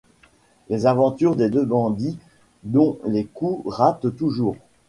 Les aventures de deux bandits dont les coups ratent toujours.